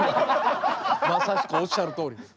まさしくおっしゃるとおりです。